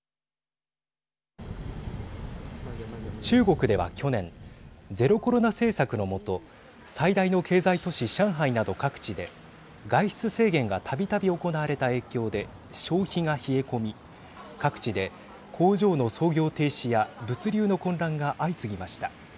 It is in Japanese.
中国では去年ゼロコロナ政策の下最大の経済都市、上海など各地で外出制限がたびたび行われた影響で消費が冷え込み各地で工場の操業停止や物流の混乱が相次ぎました。